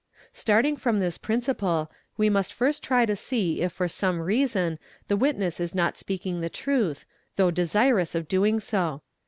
Starting from this principle, we first try to see if for some reason the witness is not speaking the truth, though desirous of doing so.